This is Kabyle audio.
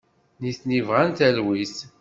Nitni bɣan talwit.